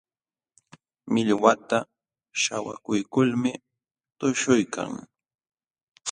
Millwata śhawakuykulmi tuśhuykan.